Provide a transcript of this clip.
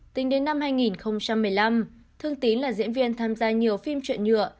tính đến năm hai nghìn một mươi năm thương tín là diễn viên tham gia nhiều phim chuyện nhựa